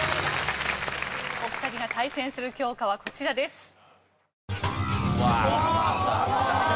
お二人が対戦する教科はこちらです。